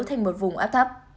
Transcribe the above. thành một vùng áp thấp